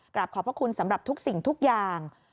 ขอบพระคุณสำหรับทุกสิ่งทุกอย่าง